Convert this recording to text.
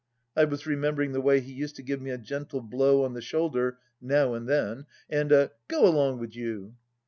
I was remembering the way he used to give me a gentle blow on the shoulder now and then, and a " Go along wid you."